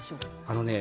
あのね